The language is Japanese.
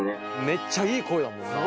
めっちゃいい声だもんな。